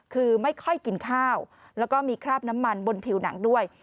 คือไม่ค่อยกินข้าวแล้วก็มีคราบน้ำมันบนผิวหนังด้วย